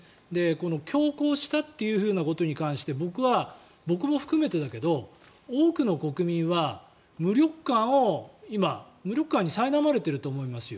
強行したということに関して僕も含めてだけど多くの国民は今、無力感にさいなまれていると思いますよ。